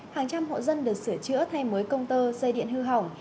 hàng trăm hộ dân được sửa chữa thay mối công tơ xây điện hư hỏng